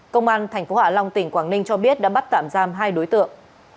công an tp hạ long tỉnh quảng ninh cho biết đã bắt tạm giam hai đối tượng